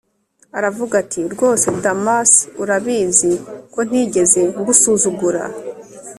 aravuga ati: rwose damas, urabizi ko ntigeze ngusuzugura,